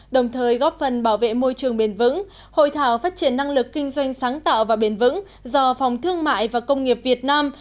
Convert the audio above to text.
đồng thời góp phần bảo vệ môi trường bền vững hội thảo phát triển năng lực kinh doanh sáng tạo và bền vững do phòng thương mại và công nghiệp việt nam